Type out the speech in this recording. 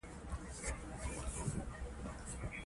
زمرد د افغانانو لپاره په معنوي لحاظ ارزښت لري.